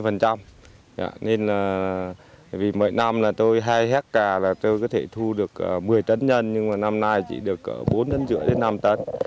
cho nên là vì mỗi năm là tôi hai hectare cà là tôi có thể thu được một mươi tấn nhân nhưng mà năm nay chỉ được c bốn tấn rưỡi đến năm tấn